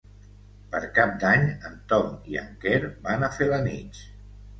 Per Cap d'Any en Tom i en Quer van a Felanitx.